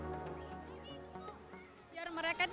bagaimana cara membuat mereka lebih senang